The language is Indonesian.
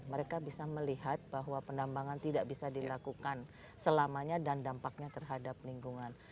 mereka bisa melihat bahwa penambangan tidak bisa dilakukan selamanya dan dampaknya terhadap lingkungan